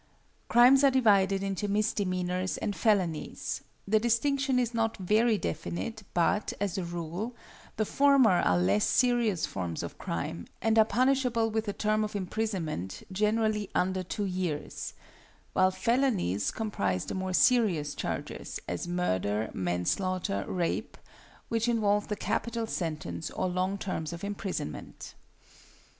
Crimes are divided into misdemeanours and felonies. The distinction is not very definite, but, as a rule, the former are less serious forms of crime, and are punishable with a term of imprisonment, generally under two years; while felonies comprise the more serious charges, as murder, manslaughter, rape, which involve the capital sentence or long terms of imprisonment.